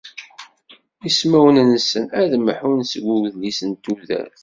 Ismawen-nsen ad mḥun seg udlis n tudert.